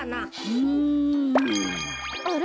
うん。あれ？